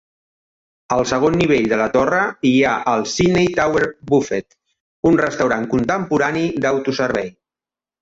Al segon nivell de la torre hi ha el Sydney Tower Buffet, un restaurant contemporani d'autoservei.